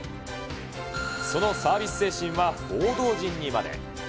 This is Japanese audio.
そのサービス精神は報道陣にまで。